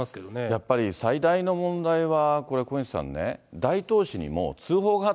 やっぱり最大の問題は、これ小西さんね、大東市にも通報があ